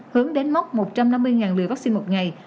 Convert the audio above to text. hướng đến mốc một trăm năm mươi liều vaccine một ngày